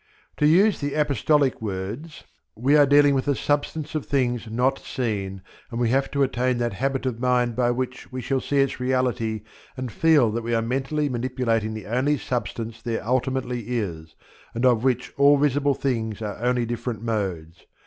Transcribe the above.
To use the apostolic words, we are dealing with the substance of things not seen, and we have to attain that habit of mind by which we shall see its reality and feel that we are mentally manipulating the only substance there ultimately is, and of which all visible things are only different modes.